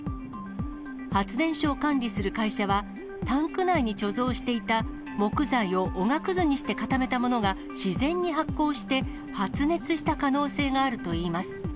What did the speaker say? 発電所を管理する会社は、タンク内に貯蔵していた木材をおがくずにして固めたものが自然に発酵して、発熱した可能性があるといいます。